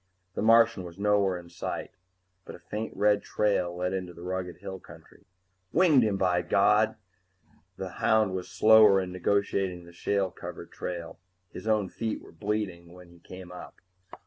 The Martian was nowhere in sight, but a faint red trail led into the rugged hill country. Winged him, by God! The hound was slower in negotiating the shale covered trail; his own feet were bleeding when he came up.